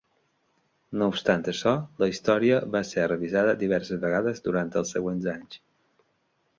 No obstant això, la història va ser revisada diverses vegades durant els següents anys.